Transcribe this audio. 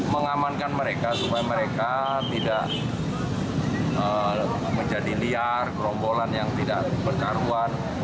mengamankan mereka supaya mereka tidak menjadi liar gerombolan yang tidak berkaruan